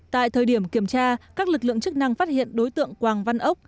tại thời điểm kiểm tra các lực lượng chức năng phát hiện đối tượng quảng văn ốc